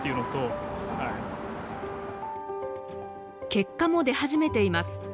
結果も出始めています。